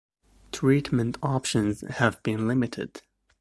Treatment options have been limited.